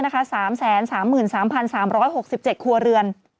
๓๓๖๗ครัวเรือน